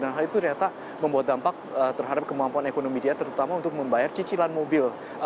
dan hal itu ternyata membuat dampak terhadap kemampuan ekonomi dia terutama untuk membayar cicilan mobil